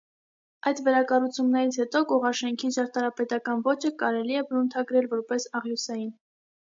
Այդ վերակառուցումներից հետո կողաշենքի ճարտարապետական ոճը կարելի է բնութագրել որպես «աղյուսային»։